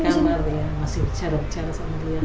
saya masih bicara bicara sama dia